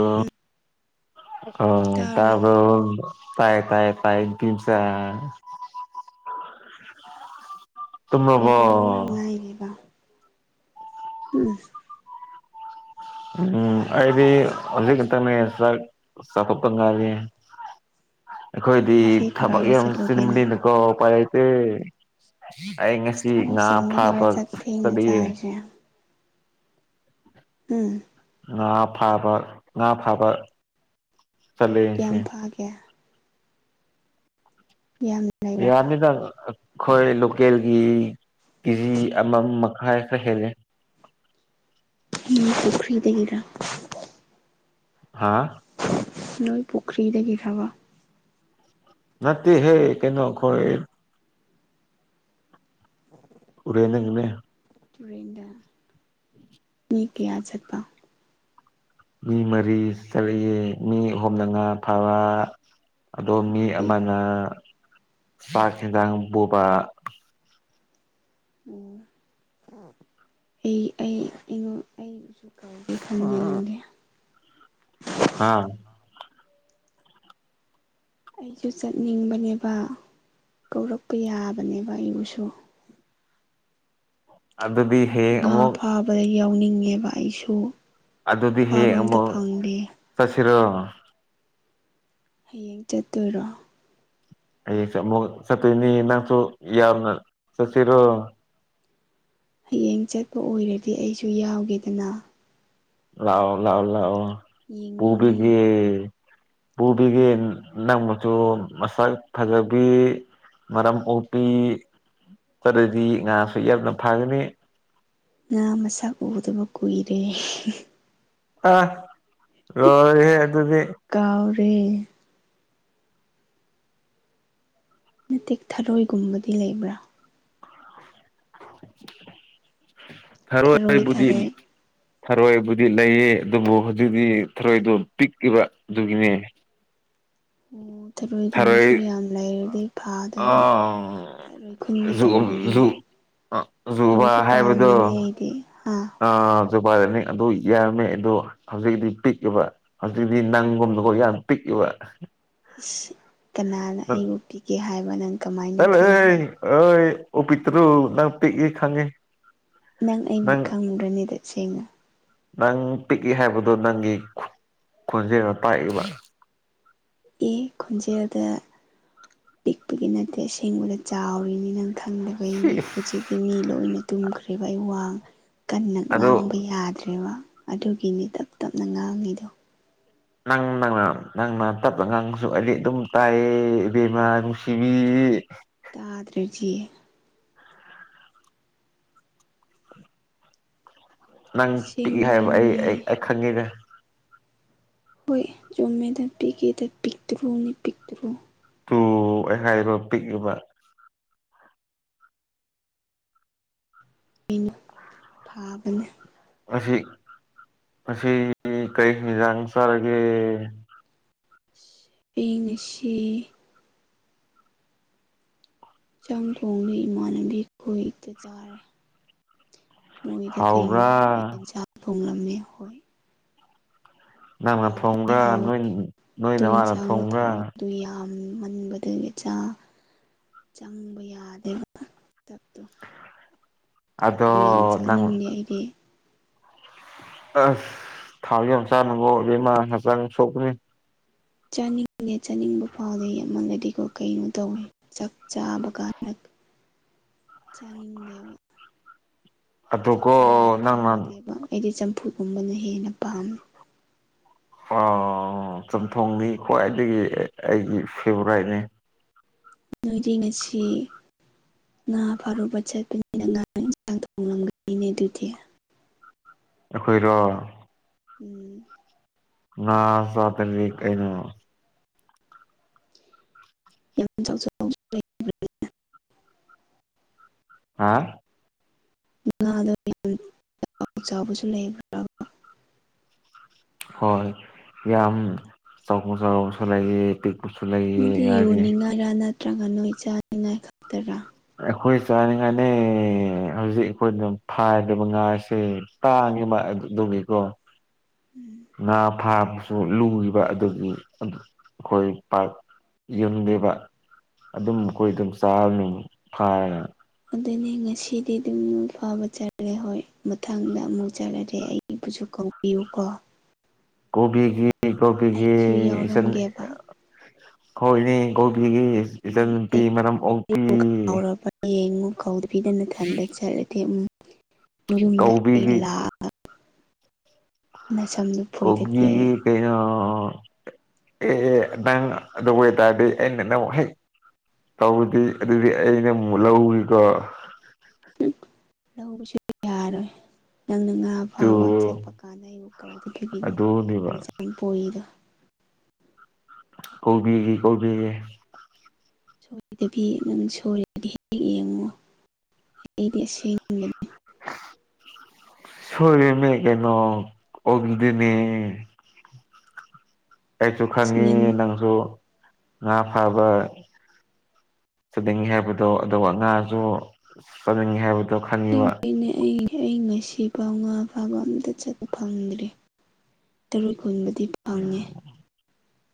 ꯑ... ꯑꯥ ꯇꯥꯕ꯭ꯔꯥ ꯇꯥꯕꯔꯣ ꯇꯥꯏꯌꯦ ꯇꯥꯏꯌꯦ ꯇꯥꯏꯌꯦ ꯄꯤꯝꯆꯥ꯫ ꯇꯨꯝꯔꯕꯣ ꯄꯦꯇꯤꯒ ꯅꯪ ꯅꯩꯔꯤꯕ ꯎꯝ꯫ ꯎꯝ ꯑꯩꯗꯤ ꯍꯧꯖꯤꯛ ꯈꯛꯇꯅꯦ ꯆꯥꯛ ꯆꯥꯊꯣꯛꯇ ꯉꯥꯏꯔꯤ꯫ ꯑꯩꯈꯣꯏꯗꯤ ꯉꯁꯤ ꯊꯕꯛ ꯀꯗꯥꯏꯗ ꯌꯥꯝ ꯆꯠꯂꯨꯒꯦ ꯅꯪ ꯆꯤꯟꯕꯅꯤꯅꯀꯣ ꯎ ꯄꯥꯏ ꯂꯩꯇꯦ꯫ ꯑꯩ ꯉꯁꯤ ꯊꯕꯛ ꯉꯥ ꯐꯥꯕ ꯆꯤꯟꯕꯒꯤꯔ ꯆꯥꯛ ꯊꯦꯡꯅ ꯆꯠꯂꯤꯌꯦ꯫ ꯆꯥꯔꯤꯁꯦ ꯎꯝ꯫ ꯉꯥ ꯐꯥꯕ ꯉꯥ ꯐꯥꯕ꯫ ꯆꯠꯂꯦ ꯀꯌꯥꯝ ꯉꯁꯤ ꯐꯥꯒꯦ꯫ ꯌꯥꯝꯅ [unintelligible] ꯌꯥꯝꯃꯤꯗ ꯑꯩꯈꯣꯏ ꯂꯣꯀꯦꯜꯒꯤ ꯀꯦꯖꯤ ꯑꯃ ꯃꯈꯥꯏ ꯈꯔ ꯍꯦꯜꯂꯦ꯫ ꯎꯝ ꯄꯨꯨꯈ꯭ꯔꯤꯗꯒꯔꯥ꯫ ꯍꯥꯥ꯫ ꯅꯣꯏ ꯄꯣꯈ꯭ꯔꯤꯗꯒꯤꯔꯕ ꯅꯠꯇꯦ ꯍꯦ ꯀꯩꯅꯣ ꯑꯩꯈꯣꯏ ꯍꯣꯔꯦꯟ ꯅꯪꯅꯅꯦ ꯇꯨꯔꯦꯟꯗ [inaudible] ꯃꯤ ꯀꯌꯥ ꯆꯠꯄ ꯃꯤ ꯃꯔꯤ ꯆꯠꯂꯤꯑꯦ ꯃꯤ ꯑꯍꯨꯝꯅ ꯉꯥ ꯐꯕ ꯑꯗꯣ ꯃꯤ ꯑꯃꯗꯤ ꯑꯃꯅ ꯆꯥꯛ ꯍꯦꯟꯖꯥꯡ ꯄꯨꯕ ꯎꯝ ꯑꯩ ꯑꯩ ꯑꯩꯉꯣꯟ ꯑꯩꯕꯨꯁꯨ ꯀꯧꯒꯦ ꯈꯪꯕꯤꯅꯤꯡꯗꯦ ꯍꯥꯥ ꯑꯩꯁꯨ ꯆꯠꯅꯤꯡꯕꯅꯦꯕ ꯀꯧꯔꯛꯄ ꯌꯥꯕꯅꯦꯕ ꯑꯩꯕꯨꯁꯨ ꯑꯗꯨꯗꯤ ꯍꯌꯦꯡ ꯉꯥ ꯑꯃꯨꯛ ꯐꯥꯕꯗ ꯌꯥꯎꯅꯤꯡꯉꯦꯕ ꯑꯩꯁꯨ ꯑꯗꯨꯗꯤ ꯐꯥꯕ ꯍꯌꯦꯡ ꯑꯝꯇ ꯑꯃꯨꯛ ꯐꯪꯗꯦ ꯆꯠꯁꯤꯔꯣ ꯍꯌꯦꯡ ꯆꯠꯇꯣꯏꯔꯣ ꯍꯌꯦꯡ ꯆꯠꯂꯤꯑꯣ ꯁꯠꯇꯣꯏꯅꯤ ꯅꯪꯁꯨ ꯌꯥꯎꯅ ꯆꯠꯁꯤꯔꯣ ꯍꯌꯦꯡ ꯆꯠꯄ ꯑꯣꯏꯔꯗꯤ ꯑꯩꯁꯨ ꯌꯥꯎꯒꯦꯗꯅ ꯂꯥꯛꯑꯣ ꯂꯥꯎꯑꯣ ꯂꯥꯎꯑꯣ ꯌꯦꯡꯅꯤꯡꯉꯦ ꯄꯨꯡꯕꯤꯒꯦ ꯄꯨꯕꯤꯒꯦ ꯅꯪ ꯃꯁꯨ ꯃꯁꯛ ꯐꯖꯕꯤ ꯃꯔꯝ ꯃꯣꯛꯄꯤ ꯆꯠꯂꯗꯤ ꯉꯥꯁꯨ ꯌꯥꯝꯅ ꯐꯒꯅꯤ ꯉꯥ ꯃꯁꯛ ꯎꯗꯕ ꯀꯨꯏꯔꯦ ꯑꯥ ꯂꯣꯏꯔꯦꯍꯦ ꯑꯗꯨꯗꯤ ꯀꯥꯎꯔꯦ ꯅꯠꯇꯦ ꯊꯥꯔꯣꯏꯒꯨꯝꯕꯗꯤ ꯂꯩꯕ꯭ꯔꯥ ꯊꯔꯣꯏ ꯊꯔꯣꯏꯕꯨꯗꯤ ꯊꯔꯣꯏ ꯊꯔꯣꯏꯕꯨꯗꯤ ꯂꯩꯌꯦ ꯑꯗꯨꯕꯨ ꯍꯧꯖꯤꯛꯇꯤ ꯊꯔꯣꯏꯗꯣ ꯄꯤꯛꯏꯕ ꯑꯗꯨꯒꯤꯅꯦ꯫ ꯑꯣ ꯊꯔꯣꯏ ꯊꯔꯣꯏꯒꯨꯝꯕꯁꯨ ꯌꯥꯝ ꯂꯩꯔꯗꯤ ꯐꯥꯗ [unintelligible] ꯊꯔꯣꯏ ꯈꯨꯟꯒꯦ ꯖꯨ ꯇꯧꯕꯅꯤꯅꯦ ꯖꯨ ꯊꯔꯣꯏꯁꯨ ꯄꯥꯝꯃꯤꯅꯦ ꯑꯩꯗꯤ ꯍꯥꯥ ꯑ ꯖꯨꯄꯥꯏꯗꯅꯤꯛ ꯑꯗꯨ ꯌꯥꯝꯃꯦ ꯑꯗꯣ ꯍꯧꯖꯤꯛꯒꯤꯗꯤ ꯄꯤꯛꯏꯕ꯫ ꯍꯧꯖꯤꯛꯇꯤ ꯅꯪꯒꯨꯝꯅꯀꯣ ꯌꯥꯝ ꯄꯤꯛꯏꯕ꯫ ꯑꯤꯁ ꯀꯅꯥꯅ ꯑꯩꯕꯨ ꯄꯤꯛꯑꯦ ꯍꯥꯏꯕ ꯅꯪ ꯀꯃꯥꯏꯅ ꯈꯪꯒꯦ ꯑꯩ ꯑꯣ ꯄꯤꯛꯇ꯭ꯔꯨ ꯅꯪ ꯄꯤꯛꯏ ꯈꯪꯉꯦ꯫ ꯅꯪ ꯑꯩꯃꯨꯛ ꯈꯪꯗ꯭ꯔꯅꯤꯗ ꯁꯦꯡꯅ ꯅꯪ ꯄꯤꯛꯏ ꯍꯥꯏꯕꯗꯣ ꯅꯪꯒꯤ ꯈꯣꯟꯖꯦꯜꯅ ꯇꯥꯛꯏꯕ꯫ ꯑꯤ ꯈꯣꯟꯖꯦꯜꯗ ꯄꯤꯛꯄꯒꯤ ꯅꯠꯇꯦ ꯑꯁꯦꯡꯕꯗ ꯆꯥꯎꯔꯤꯅꯤ ꯅꯪ ꯁꯤ ꯈꯪꯗꯕꯩꯅꯦ ꯍꯧꯖꯤꯛꯇꯤ ꯃꯤ ꯂꯣꯏꯅ ꯇꯨꯝꯈ꯭ꯔꯦꯕ ꯑꯩ ꯋꯥ ꯀꯟꯅ ꯑꯗꯨ ꯉꯥꯡꯕ ꯌꯥꯗ꯭ꯔꯦꯕ ꯑꯗꯨꯒꯤꯅꯤ ꯇꯞ ꯇꯞꯅ ꯉꯥꯡꯉꯤꯗꯣ꯫ ꯅꯪ ꯅꯪꯅ ꯅꯪꯅ ꯇꯞꯅ ꯉꯥꯡꯉꯁꯨ ꯑꯩꯗꯤ ꯑꯗꯨꯝ ꯇꯥꯏꯌꯦ ꯏꯕꯦꯝꯃ ꯅꯨꯡꯁꯤꯕꯤ꯫ ꯇꯥꯗ꯭ꯔꯗꯤ ꯅꯪ ꯄꯤꯛꯏ ꯍꯥꯏꯕ ꯑꯩ ꯑꯁꯦꯡꯕꯩꯅꯦ ꯑꯩ ꯈꯪꯉꯤꯗ꯫ ꯍꯣꯏ ꯆꯨꯝꯃꯦꯗ ꯄꯤꯛꯏꯗ ꯄꯤꯛꯇ꯭ꯔꯨꯅꯦ ꯄꯤꯛꯇ꯭ꯔꯨ꯫ ꯇꯨ ꯑꯩ ꯍꯥꯏꯔꯤꯕ ꯄꯤꯛꯏꯕ ꯏꯅꯨ ꯐꯥꯕꯅꯦ ꯉꯁꯤ ꯉꯁꯤ ꯗꯤ ꯀꯔꯤ ꯍꯤꯟꯖꯥꯡ ꯆꯥꯔꯒꯦ ꯑꯩ ꯉꯁꯤ ꯆꯥꯝ ꯊꯣꯡꯅꯦ ꯏꯃꯥꯟꯅꯕꯤ ꯈꯣꯏꯗ ꯆꯥꯔꯦ꯫ ꯃꯣꯏꯗ ꯀꯩꯅꯣ ꯍꯥꯎꯕ꯭ꯔꯥ ꯌꯦꯟꯁꯥꯡ ꯊꯣꯡꯂꯝꯃꯦ ꯍꯣꯏ ꯅꯪꯅ ꯍꯥꯎꯗꯤ ꯊꯣꯡꯕ꯭ꯔꯥ ꯍꯥꯎꯋꯦ ꯅꯣꯏ ꯅꯣꯏ ꯇꯨ ꯅꯃꯥꯅ ꯏꯟꯁꯥꯡꯗꯣ ꯊꯥꯎ ꯊꯣꯡꯕ꯭ꯔꯥ ꯌꯥꯝ ꯃꯟꯕꯗꯨꯒꯤ ꯆꯥ ꯆꯪꯕ ꯌꯥꯗꯦꯕ꯫ ꯗꯞꯇꯣ ꯊꯥꯎ ꯌꯥꯝ ꯑꯗꯣ ꯅꯪ ꯆꯥꯅꯤꯡꯗꯦ ꯑꯩꯗꯤ ꯑꯁ ꯊꯥꯎꯗꯤ ꯌꯥꯝ ꯆꯥꯅꯨꯀꯣ ꯏꯕꯦꯝꯃꯥ ꯍꯛꯆꯥꯡ ꯁꯣꯛꯄꯅꯤ꯫ ꯆꯥꯅꯤꯡꯉꯦ ꯆꯥꯅꯤꯡꯕ ꯐꯥꯎꯗꯦ ꯌꯥꯝꯃꯜꯂꯗꯤꯀꯣ ꯀꯩꯅꯣꯝ ꯇꯧꯋꯦ ꯆꯥꯛ ꯆꯥꯕ ꯀꯥꯟꯗ ꯆꯥꯅꯤꯡꯗꯦꯕ ꯆꯥꯛ ꯑꯗꯣꯀꯣ ꯆꯥꯅꯤꯡꯕ ꯅꯪꯅ ꯐꯥꯎꯗꯦꯕ ꯑꯩꯗꯤ ꯆꯝꯐꯨꯠꯒꯨꯝꯕꯅ ꯍꯦꯟꯅ ꯄꯥꯝꯃꯦ꯫ ꯑꯣ ꯆꯝꯊꯣꯡꯗꯤ ꯈ꯭ꯋꯥꯏꯗꯒꯤ ꯑꯩꯒꯤ ꯐꯦꯚꯣꯔꯥꯏꯠꯅꯦ꯫ ꯅꯣꯏꯗꯤ ꯉꯥꯁꯤ ꯉꯥ ꯐꯥꯔꯨꯕ ꯆꯠꯄꯅꯤꯅ ꯉꯥ ꯌꯦꯟꯁꯥꯡ ꯊꯣꯡꯂꯝꯒꯅꯤꯅꯦ ꯑꯗꯨꯗꯤ ꯑꯩꯈꯣꯏꯔꯣ ꯎꯝ ꯉꯥ ꯆꯥꯗ꯭ꯔꯥꯗꯤ ꯀꯩꯅꯣ ꯌꯥꯝ [inaudible] ꯑꯥ ꯉꯥꯗꯣ ꯌꯥꯝ ꯆꯥꯎ ꯆꯥꯎꯕꯁꯨ ꯂꯩꯕ꯭ꯔꯥ ꯍꯣꯏ ꯌꯥꯝ ꯆꯥꯎꯕꯨ ꯆꯥꯎꯁꯤꯜꯂꯛ ꯑꯗꯤ ꯄꯤꯛ ꯗꯨꯗꯤ ꯌꯣꯟꯅꯤꯡꯉꯥꯏꯔ ꯅꯠꯇ꯭ꯔꯒ ꯅꯣꯏ ꯆꯥꯅꯤꯡꯉꯥꯏ ꯈꯛꯇꯔꯥ ꯑꯩꯈꯣꯏ ꯆꯥꯅꯤꯡꯉꯥꯏꯅꯦ ꯍꯧꯖꯤꯛ ꯑꯩꯈꯣꯏꯅ ꯐꯥꯒꯗꯕ ꯉꯥꯁꯦ ꯇꯥꯡꯉꯦꯕ ꯑꯗꯨꯗꯨꯒꯤꯀꯣ [unintelligible] ꯉꯥ ꯐꯥꯕꯁꯨ ꯂꯨꯢꯕ ꯑꯗꯨꯒꯤ ꯑꯩꯈꯣꯏ ꯄꯥꯛ ꯌꯨꯝꯗꯦꯕ ꯑꯗꯨꯝ ꯑꯈꯣꯏ ꯗꯨꯝ ꯆꯥꯔꯝꯃꯤꯅꯤ ꯐꯥꯔꯒ ꯑꯗꯨꯅꯦ ꯉꯁꯤꯗꯤ ꯗꯨꯝ ꯐꯥꯕ ꯆꯠꯂꯦ ꯍꯣꯏ ꯃꯊꯪꯗ ꯑꯃꯨꯛ ꯆꯠꯂꯗꯤ ꯑꯩ ꯑꯩꯕꯨꯁꯨ ꯀꯧꯕꯤꯌꯨ ꯀꯣ ꯀꯨꯕꯤꯒꯦ ꯀꯧꯕꯤꯒꯦ ꯑꯩꯁꯨ ꯢꯆꯟ ꯌꯥꯎꯔꯝꯒꯦꯕ ꯍꯣꯏꯅꯦ ꯀꯣꯜꯕꯤꯒꯦ ꯏꯆꯟ ꯅꯪ ꯅꯨꯄꯤ ꯃꯔꯝ ꯑꯣꯛꯄꯤ ꯍꯌꯦꯡꯃꯨꯛ ꯀꯧꯗꯕꯤꯗ ꯅꯊꯟꯗ ꯆꯠꯂꯗꯤ ꯎꯝ ꯅꯣꯏ ꯌꯨꯝꯗ ꯑꯩ ꯀꯧꯕꯤꯒꯤ ꯂꯥꯛꯑ ꯅꯁꯝꯗꯨ ꯐꯣꯏꯗꯒꯦ ꯀꯣꯕꯤꯒꯦ ꯑꯩ ꯀꯩꯅꯣ ꯑꯦ ꯑꯦ ꯅꯪ ꯑꯗꯨ ꯑꯣꯏꯇꯥꯔꯗꯤ ꯑꯩꯅ ꯅꯪꯕꯨ ꯍꯦꯛ ꯇꯧꯔꯗ ꯑꯗꯨꯗꯤ ꯑꯩ ꯅꯪꯃꯨꯛ ꯂꯧꯋꯤꯀꯣ ꯂꯧꯕꯁꯨ ꯌꯥꯔꯣꯏ ꯅꯪꯅ ꯉꯥ ꯇꯨ ꯐꯥꯕ ꯆꯠꯄ ꯀꯥꯟꯗ ꯑꯩꯕꯨ ꯀꯧꯗꯕꯒꯤꯅꯦ ꯑꯗꯨꯅꯦꯕ ꯅꯁꯝ ꯐꯣꯏꯗꯣ ꯀꯣꯕꯤꯒꯦ ꯀꯣꯕꯤꯒꯦ ꯁꯣꯏꯗꯕꯤ ꯅꯪ ꯁꯣꯏꯔꯗꯤ ꯍꯦꯛ ꯌꯦꯡꯉꯣ ꯑꯩꯗꯤ ꯑꯁꯦꯡ ꯕꯅꯦ ꯁꯣꯢꯔꯤꯝꯃꯦ ꯀꯩꯅꯣ ꯑꯣꯟꯕꯤꯗꯣꯏꯅꯦ ꯑꯩꯁꯨ ꯈꯪꯉꯦ ꯉꯟꯅ ꯅꯪꯁꯨ ꯉꯥ ꯐꯥꯕ ꯆꯠꯅꯤꯡꯉꯦ ꯍꯥꯏꯕꯗꯣ ꯑꯗꯨꯒ ꯉꯥꯖꯨ ꯆꯅꯤꯡꯉꯦ ꯍꯥꯏꯕ ꯁꯦꯡꯕꯩꯅꯦ ꯑꯩ ꯑꯩ ꯉꯁꯤ ꯄꯥꯎ ꯉꯥ ꯐꯥꯕ ꯑꯝꯇ ꯆꯠꯄ ꯐꯪꯗ꯭ꯔꯤ ꯇꯔꯣꯏ ꯈꯨꯟꯕꯗꯤ ꯐꯪꯉꯦ ꯎꯝ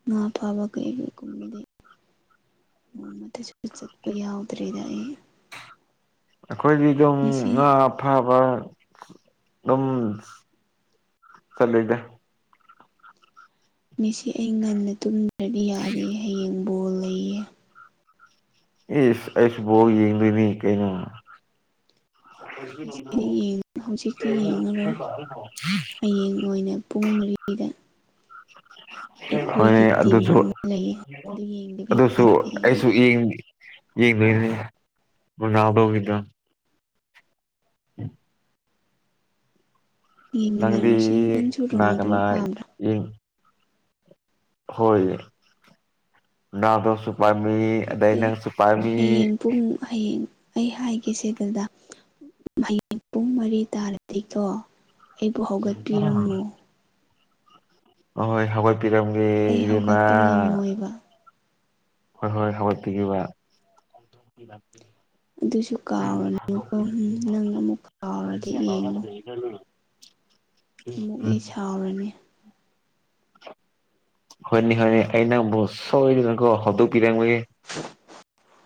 ꯉꯥ ꯐꯥꯕ ꯀꯩ ꯀꯩꯒꯨꯝꯕꯗꯤ ꯅꯣꯡꯃꯇꯁꯨ ꯆꯠꯄ ꯌꯥꯎꯗ꯭ꯔꯦꯗ ꯑꯩ ꯑꯈꯣꯏꯗꯤ ꯗꯨꯝ ꯉꯁꯤ ꯉꯥ ꯐꯕ ꯗꯨꯝ ꯆꯠꯂꯤꯗ ꯃꯦꯁꯤ ꯑꯩ ꯉꯟꯅ ꯇꯨꯝꯗ꯭ꯔꯗꯤ ꯌꯥꯗꯦ ꯍꯌꯦꯡ ꯕꯣꯜ ꯂꯩꯌꯦ ꯏꯁ ꯑꯩꯁꯨ ꯕꯣꯜ ꯌꯦꯡꯗꯣꯏꯅꯤ ꯀꯩꯅꯣ ꯉꯁꯤꯒꯤꯗꯤ ꯌꯦꯡ ꯍꯧꯖꯤꯛꯇꯤ ꯌꯦꯡꯉꯔꯣꯏ ꯍꯌꯦꯡ ꯑꯣꯏꯅ ꯄꯨꯡ ꯃꯔꯤꯗ ꯍꯣꯏ ꯑꯩꯈꯣꯏꯒꯤ ꯇꯤꯝ ꯑꯗꯨꯁꯨ ꯑꯃ ꯂꯩꯌꯦ ꯑꯗꯨ ꯌꯦꯡꯗꯕ ꯑꯗꯨꯁꯨ ꯌꯥꯗꯦ ꯑꯩꯗꯤ ꯑꯩꯁꯨ ꯌꯦꯡ ꯌꯦꯡꯗꯣꯏꯅꯦ ꯔꯣꯅꯥꯜꯗꯣꯅꯤꯗꯣ [unintelligible] ꯅꯪꯗꯤ ꯌꯦꯡꯃꯤꯟꯅꯔꯁꯦ ꯅꯪꯁꯨ ꯀꯅꯥ ꯔꯣꯅꯥꯜꯗꯣ ꯀꯅꯥ ꯄꯥꯝꯕ꯭ꯔꯥ ꯌꯦꯡ ꯍꯣꯏ ꯅꯥꯟꯗꯣꯁꯨ ꯄꯥꯝꯃꯤ ꯑꯗꯩ ꯅꯠꯇꯦ ꯅꯪꯁꯨ ꯄꯥꯝꯃꯤ ꯍꯌꯦꯡ ꯄꯨꯡ ꯍꯌꯦꯡ ꯑꯩ ꯍꯥꯏꯒꯦꯁꯦ ꯑꯗꯨꯗ ꯍꯌꯦꯡ ꯄꯨꯡ ꯃꯔꯤ ꯇꯥꯔꯗꯤꯀꯣ ꯑꯩꯕꯨ ꯍꯧꯒꯠꯄꯤꯔꯝꯃꯣ ꯑꯍꯣꯏ ꯍꯧꯒꯠꯄꯤꯔꯝꯒꯦ ꯑꯩ ꯏꯕꯦꯝꯃꯥ ꯍꯧꯒꯠꯄ ꯉꯝꯃꯣꯏꯕ ꯍꯣꯏ ꯍꯣꯏ ꯍꯧꯒꯠꯄꯤꯒꯦꯕ ꯑꯗꯨꯁꯨ ꯀꯥꯎꯔꯅꯨꯀꯣ ꯅꯪ ꯑꯃꯨꯛ ꯀꯥꯎꯔꯗꯤ ꯌꯦꯡꯉꯣ [unintelligible] ꯑꯃꯨꯛ ꯎꯝ ꯑꯩ ꯁꯥꯎꯔꯅꯤ ꯍꯣꯏꯅꯤ ꯍꯣꯏꯅꯦ ꯑꯩꯩ ꯅꯪꯕꯨ ꯁꯣꯏꯗꯅꯀꯣ ꯍꯧꯗꯣꯛꯄꯤꯔꯦꯝꯒꯦ [inaudible]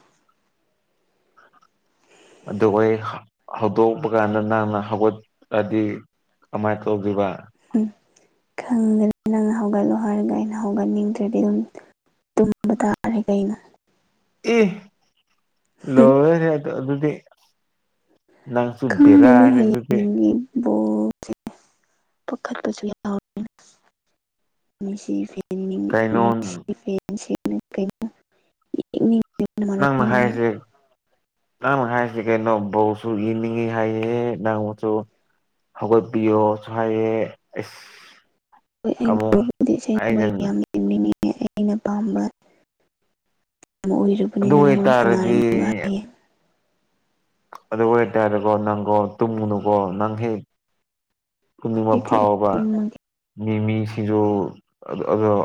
ꯑꯗꯨꯒ ꯑꯩ ꯍꯧꯗꯣꯛꯄ ꯀꯥꯟꯗ ꯅꯪꯅ ꯍꯧꯒꯠꯑꯗꯤ ꯀꯃꯥꯏꯅ ꯇꯧꯗꯣꯏꯕ ꯎꯝ ꯈꯪꯗꯅ ꯅꯪꯅ ꯍꯧꯒꯠꯂꯣ ꯍꯥꯏꯔꯒ ꯑꯩꯅ ꯍꯧꯒꯠꯅꯤꯡꯗ꯭ꯔꯗꯤ ꯑꯗꯨꯝ ꯇꯨꯝꯕ ꯇꯥꯔꯦ ꯀꯩꯅꯣ ꯑꯦ ꯂꯣꯏꯔꯦꯍꯦ ꯑꯗꯨꯗꯤ ꯅꯪꯁꯨꯨ ꯈꯪꯗꯦꯅꯦ ꯕꯦꯔꯥꯅꯤ ꯑꯗꯨꯗꯤ ꯍꯌꯦꯡꯒꯤ ꯄꯥꯈꯠꯄꯁꯨ ꯌꯥꯎꯌꯦ ꯃꯦꯁꯤꯗꯤ ꯀꯩꯅꯣ ꯀꯩꯅꯣ ꯌꯦꯡꯅꯤꯡꯕꯅ ꯅꯪꯅ ꯃꯔꯣꯜ ꯑꯃ ꯍꯥꯏꯁꯦ ꯅꯪ ꯍꯥꯏꯁꯤ ꯀꯩꯅꯣ ꯕꯣꯜꯁꯨ ꯌꯦꯡꯅꯤꯡꯉꯤ ꯍꯥꯏꯌꯦ ꯅꯪꯁꯨ ꯍꯧꯒꯠꯄꯤꯌꯣꯁꯨ ꯍꯥꯏꯑꯦ ꯑꯁ ꯍꯣꯏ ꯑꯩꯅ ꯑꯃꯨꯛ ꯇꯧꯕꯗꯨꯗꯤ ꯏꯁꯩꯒꯨꯝꯕ ꯑꯩꯅ ꯌꯥꯝꯃꯤ ꯌꯦꯡꯅꯤꯡꯉꯤꯅꯦ ꯑꯩꯅ ꯄꯥꯝꯕ ꯑꯃ ꯑꯗꯨ ꯑꯣꯏꯔꯨꯕꯅꯤꯅ ꯃꯣꯏ ꯑꯣꯏꯇꯥꯔꯗꯤ ꯁꯥꯟꯅꯔꯅꯤ ꯑꯗꯨ ꯑꯣꯏꯇꯥꯔꯒꯣ ꯅꯪꯒꯣ ꯇꯨꯝꯃꯨꯅꯨꯀꯣ ꯅꯪ ꯍꯦꯛ ꯇꯨꯝꯅꯤꯡꯕ ꯍꯧꯖꯤꯛꯇꯤ ꯑꯩ ꯐꯥꯎꯕ ꯇꯨꯝꯃꯒꯦ ꯃꯤꯃꯤ ꯁꯤꯡꯁꯨ ꯑꯗꯣ